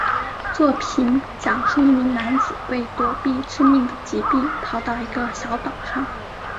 作品讲述一名男子为躲避致命的疾病逃到一个小岛上。